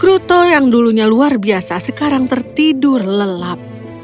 kruto yang dulunya luar biasa sekarang tertidur lelap